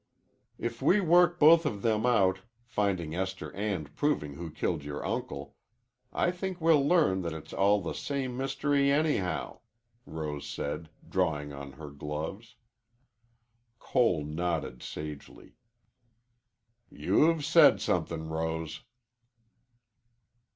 "If we work both of them out finding Esther and proving who killed your uncle I think we'll learn that it's all the same mystery, anyhow," Rose said, drawing on her gloves. Cole nodded sagely. "You've said somethin', Rose."